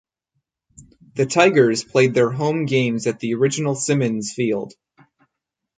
The Tigers played their home games at the original Simmons Field.